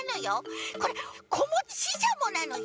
これこもちししゃもなのよ。